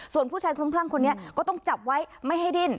ส่วนผู้ชายพร้างคนนี้ก็ต้องจับไว้ไม่ให้ดิน